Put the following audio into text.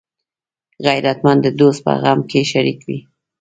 غیرتمند د دوست په غم کې شریک وي